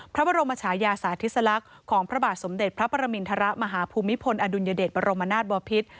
พระบรมชายาสาธิสลักษณ์ของพระบาทสมเด็จพระปรมินทรมาฮภูมิพลอดุลยเดชบรมนาศบอพิษ